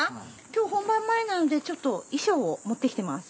今日本番前なのでちょっと衣装を持ってきてます。